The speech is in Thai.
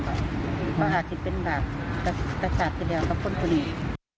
เพราะภาพถึงเป็นบาปกระชาติที่เดียวครับคุณคุณอีก